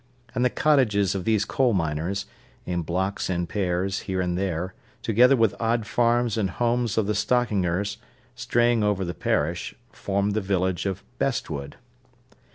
And the cottages of these coal miners, in blocks and pairs here and there, together with odd farms and homes of the stockingers, straying over the parish, formed the village of Bestwood.